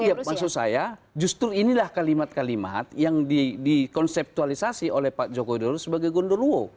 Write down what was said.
ya maksud saya justru inilah kalimat kalimat yang dikonseptualisasi oleh pak joko widodo sebagai gondoruo